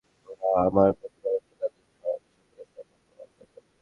আমার প্রতিপালক তো তাদের ছলনা সম্পর্কে সম্যক অবগত।